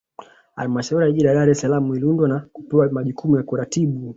Halmashauri ya Jiji la Dar es Salaam iliundwa na kupewa majukumu ya kuratibu